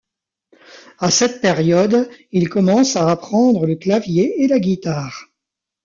À cette période, il commence à apprendre le clavier et la guitare.